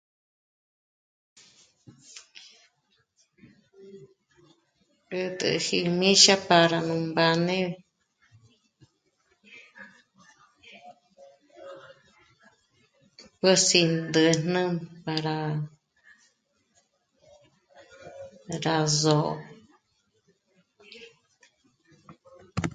'ät'äji míxa' pára nú mbáne mbüsi ndä́jnä pára rá zó'o